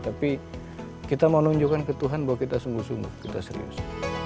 tapi kita mau nunjukkan ke tuhan bahwa kita sungguh sungguh kita serius